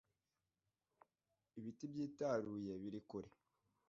ibiti byitaruye birikure.